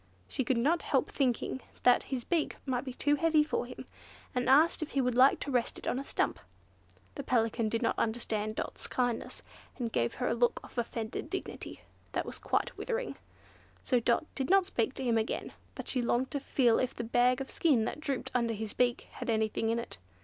She could not help thinking that his beak must be too heavy for him, and asked if he would like to rest it on the stump. The Pelican did not understand Dot's kindness, and gave her a look of offended dignity that was quite withering; so Dot did not speak to him again; but she longed to feel if the bag of skin that drooped under his beak had anything in it.